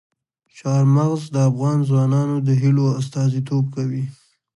چار مغز د افغان ځوانانو د هیلو استازیتوب کوي.